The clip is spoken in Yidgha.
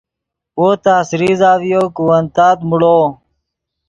وو تس ریزہ ڤیو کہ ون تات موڑو